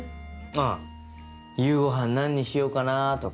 ああ夕ご飯何にしようかなぁ？とか。